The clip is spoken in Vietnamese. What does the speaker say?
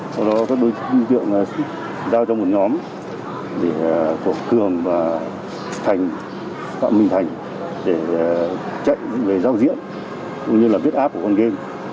sau đó các đối tượng giao cho một nhóm của cường và thành phạm minh thành để trách về giao diễn cũng như là viết app của con game